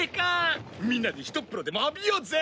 みんなでひとっ風呂でも浴びようぜ！